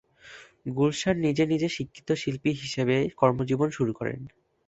গুলশান নিজে নিজে শিক্ষিত শিল্পী হিসেবে কর্মজীবন শুরু করেন।